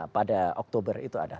pada oktober itu ada